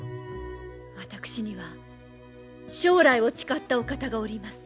私には将来を誓ったお方がおります。